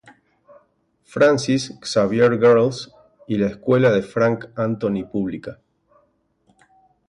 Francis Xavier Girls y la Escuela de Frank Anthony Pública.